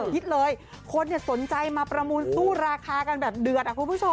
คิดเลยคนสนใจมาประมูลสู้ราคากันแบบเดือดคุณผู้ชม